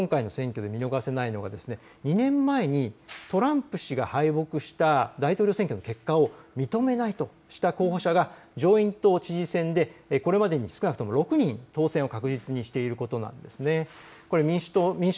さらに１つ、今回の選挙で見逃せないのは２年前にトランプ氏が敗北した大統領選挙の結果を認めないとした候補者が上院と知事選でこれまでに少なくとも６人当選を確実にしていることなんです。